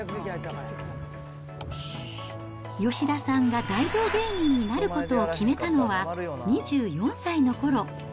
吉田さんが大道芸人になることを決めたのは２４歳のころ。